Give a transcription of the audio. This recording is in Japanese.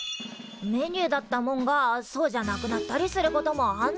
メニューだったもんがそうじゃなくなったりすることもあんだな。